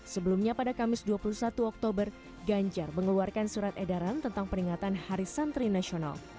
sebelumnya pada kamis dua puluh satu oktober ganjar mengeluarkan surat edaran tentang peringatan hari santri nasional